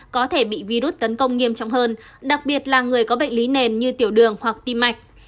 có thể bị virus tấn công nghiêm trọng hơn đặc biệt là người có bệnh lý nền như tiểu đường hoặc tim mạch